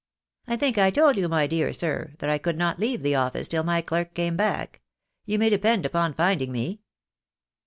"I think I told you, my dear sir, that I could not leave the office till my clerk came back. You may depend upon finding me."